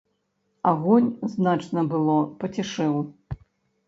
Агонь, значна было, пацішэў.